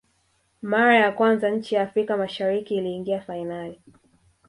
mara ya kwanza nchi ya afrika mashariki iliingia fainali